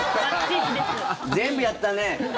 全部やったね。